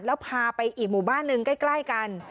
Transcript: แล้วพาไปอีกหมู่บ้านหนึ่งใกล้กัน